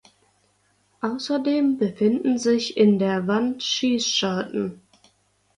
Außerdem befinden sich in der Wand Schießscharten.